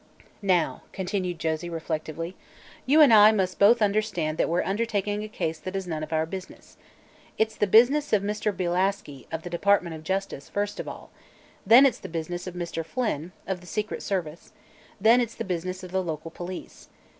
"Now," continued Josie, reflectively, "you and I must both understand that we're undertaking a case that is none of our business. It's the business of Mr. Bielaski, of the department of justice, first of all; then it's the business of Mr. Flynn, of the secret service; then it's the business of the local police.